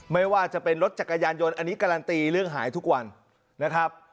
ไม่ว่าจะเป็นรถจักรยานยนต์อันนี้การันตีเรื่องหายทุกวันนะครับ